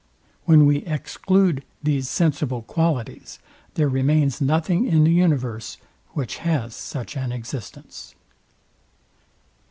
When we exclude these sensible qualities there remains nothing in the universe, which has such an existence.